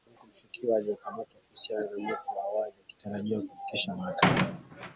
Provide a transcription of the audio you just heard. Hayo yalijiri huku mshukiwa aliyekamatwa kuhusiana na moto wa awali, akitarajiwa kufikishwa mahakamani